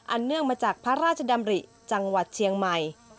เนื่องมาจากพระราชดำริจังหวัดเชียงใหม่